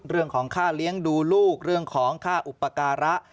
เรื่องของค่าเลี้ยงดูลูกเรื่องของค่าอุปการะ